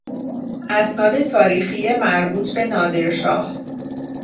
اسناد تاریخی مربوط به نادرشاه